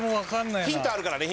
ヒントあるからねヒント。